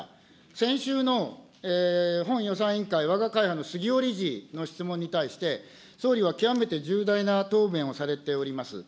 先週の本予算委員会、わが会派のすぎお理事の質問に対して、総理は極めて重大な答弁をされております。